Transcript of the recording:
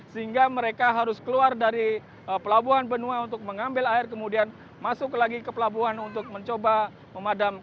sehingga mereka harus keluar dari pelabuhan benua untuk mengambil air kemudian masuk lagi ke pelabuhan untuk mencoba memadamkan